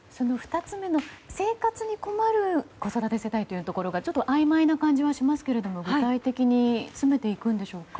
２つ目の生活に困る子育て世帯というところがちょっとあいまいな感じはしますけど具体的に詰めていくんでしょうか？